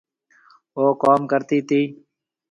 او ڪوم ڪرتي تي